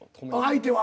相手は。